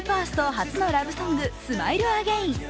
初のラブソング「ＳｍｉｌｅＡｇａｉｎ」